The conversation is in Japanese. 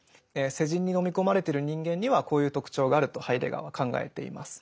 世人に飲み込まれてる人間にはこういう特徴があるとハイデガーは考えています。